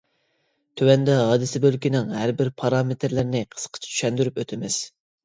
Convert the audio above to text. تۆۋەندە ھادىسە بۆلىكىنىڭ ھەر بىر پارامېتىرلىرىنى قىسقىچە چۈشەندۈرۈپ ئۆتىمىز.